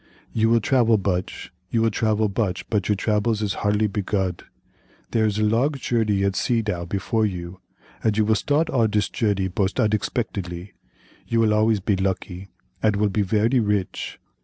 You will travel buch—you have travelled buch, but your travels is hardly begud; there is a lodg jourdey at sea dow before you, ad you will start od this jourdey bost udexpectedly; you will always be lucky, ad will be very rich.